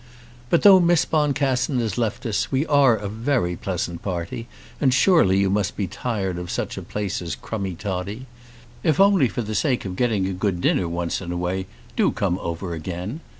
But though Miss Boncassen has left us we are a very pleasant party, and surely you must be tired of such a place as Crummie Toddie. If only for the sake of getting a good dinner once in a way do come over again.